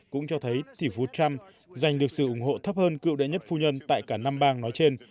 cũng cho thấy tỷ phú trump giành được sự ủng hộ thấp hơn cựu đệ nhất phu nhân tại cả năm bang nói trên